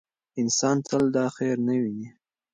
انسان تل دا خیر نه ویني.